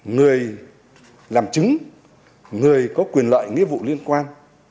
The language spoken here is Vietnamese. người làm chứng người có quyền lợi nghĩa vụ liên quan